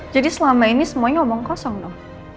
jadi selama ini semuanya omong kosong dong